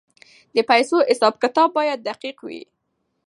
د پیسو حساب کتاب باید دقیق وي.